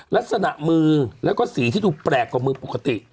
ลักษณะมือแล้วก็สีที่ดูแปลกกว่ามือปกติ